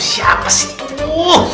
siapa sih itu